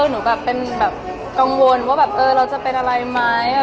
หนูเป็นกังวลว่าเราจะเป็นอะไรมั้ย